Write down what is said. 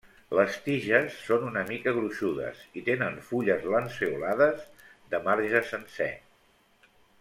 Les tiges són una mica gruixudes i tenen fulles lanceolades de marge sencer.